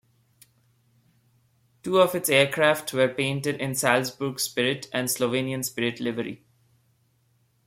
Two of its aircraft were painted in "Salzburg Spirit" and "Slovenian Spirit" livery.